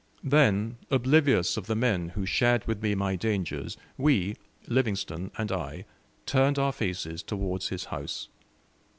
Then, oblivious of the crowds, oblivious of the men who shared with me my dangers, we Livingstone and I turned our faces towards his house.